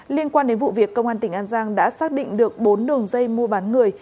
liên quan đến vụ việc công an tỉnh an giang đã xác định được bốn đường dây mua bán người